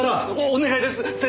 お願いです先生！